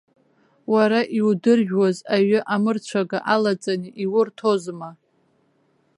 Уара иудыржәуаз аҩы амырцәага алаҵаны иурҭозма?